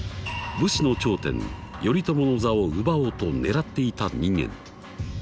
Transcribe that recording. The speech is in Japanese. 武士の頂点頼朝の座を奪おうと狙っていた人間。